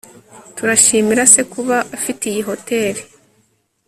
Turashimira se kuba afite iyi hoteri